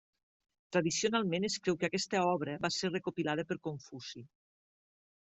Tradicionalment es creu que aquesta obra va ser recopilada per Confuci.